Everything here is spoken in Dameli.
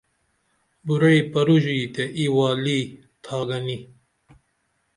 بُرعی پروژئی تے ای والی تھاگنی